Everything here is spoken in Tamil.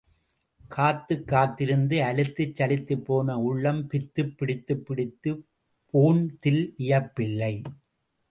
காத்துக் காத்திருந்து, அலுத்துச் சலித்துப்போன உள்ளம் பித்துப் பிடித்துப் போன்தில் வியப்பில்லை.